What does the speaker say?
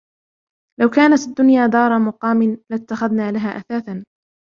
لَوْ كَانَتْ الدُّنْيَا دَارَ مُقَامٍ لَاِتَّخَذْنَا لَهَا أَثَاثًا